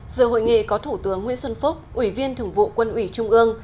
giữa hội nghị có thủ tướng nguyễn xuân phúc ủy viên thường vụ quân ủy trung ương